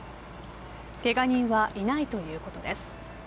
けが人はいないということです。